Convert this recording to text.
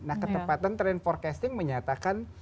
nah ketepatan trend forecasting menyatakan